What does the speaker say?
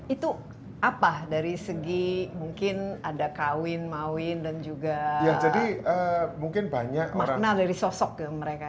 itu apa dari segi mungkin ada kawin mawin dan juga makna dari sosok mereka